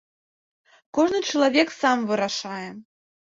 Кожны чалавек сам вырашае.